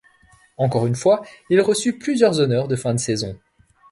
Encore une fois, il reçut plusieurs honneurs de fin de saison.